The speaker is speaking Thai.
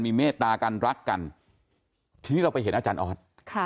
มีเมตตากันรักกันทีนี้เราไปเห็นอาจารย์ออสค่ะ